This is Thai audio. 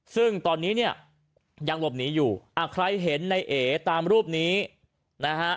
ซึ่งตอนนี้เนี่ยยังหลบหนีอยู่อ่าใครเห็นในเอตามรูปนี้นะฮะ